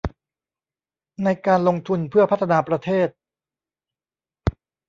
ในการลงทุนเพื่อพัฒนาประเทศ